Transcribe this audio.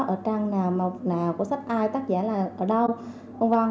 ở trang nào mộc nào của sách ai tác giả là ở đâu v v